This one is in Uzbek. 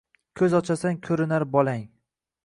Koʼz ochasan koʼrinar bolang.